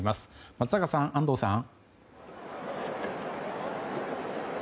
松坂さん、安藤さん。